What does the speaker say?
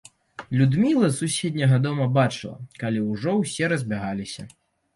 Людміла з суседняга дома бачыла, калі ўжо ўсе разбягаліся.